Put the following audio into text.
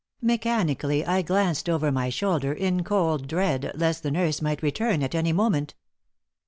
Mechanically I glanced over my shoulder, in cold dread lest the nurse might return at any moment.